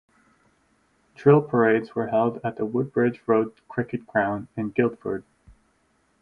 Drill parades were held at the Woodbridge Road cricket ground in Guildford.